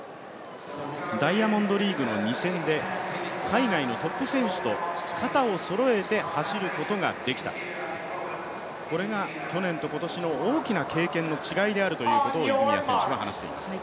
ダイヤモンドリーグの２戦で海外のトップ選手と肩をそろえて走ることができた、これが去年と今年の大きな経験の違いであるということを泉谷選手は話しています。